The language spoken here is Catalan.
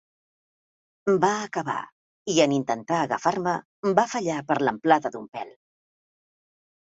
Va acabar, i en intentar agafar-me, va fallar per l'amplada d'un pèl.